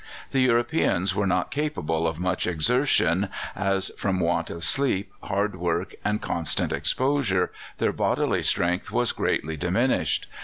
The Europeans were not capable of much exertion, as from want of sleep, hard work, and constant exposure, their bodily strength was greatly diminished.